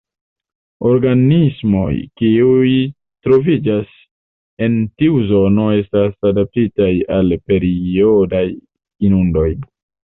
Organismoj kiuj troviĝas en tiu zono estas adaptitaj al periodaj inundoj.